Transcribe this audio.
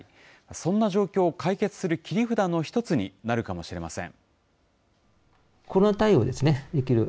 そんな状況を解決する切り札の１つになるかもしれません。